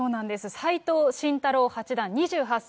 斎藤慎太郎八段２８歳。